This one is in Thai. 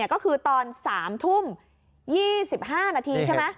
ก็คือตอน๓ทุ่ม๒๕นาทีใช่ไหม